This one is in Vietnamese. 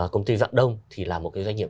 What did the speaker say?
công ty dạng đông thì là một cái doanh nghiệp